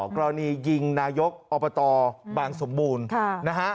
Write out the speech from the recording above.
กรณียิงนายกอบตบางสมบูรณ์นะฮะ